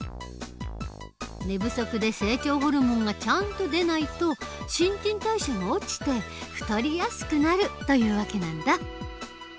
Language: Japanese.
寝不足で成長ホルモンがちゃんと出ないと新陳代謝が落ちて太りやすくなるという訳なんだ。